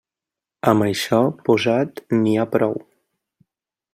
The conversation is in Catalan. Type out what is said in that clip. Amb això posat n'hi ha prou.